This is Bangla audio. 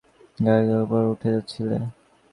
প্রায় তার গায়ের উপর উঠে যাচ্ছিলে।